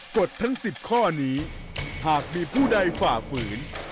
กฎทั้ง๑๐ข้อนี้หากมีผู้ใดฝ่าฝืน